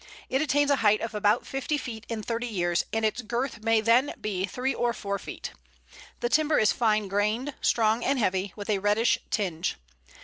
It attains a height of about fifty feet in thirty years, and its girth may then be three or four feet. The timber is fine grained, strong and heavy, with a reddish tinge.